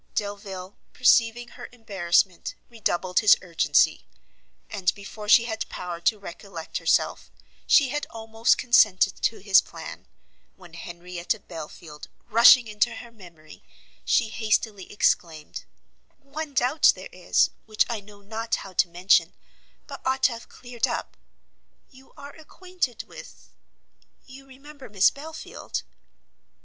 Delvile, perceiving her embarrassment, redoubled his urgency; and before she had power to recollect herself, she had almost consented to his plan, when Henrietta Belfield rushing into her memory, she hastily exclaimed, "One doubt there is, which I know not how to mention, but ought to have cleared up; you are acquainted with you remember Miss Belfield?"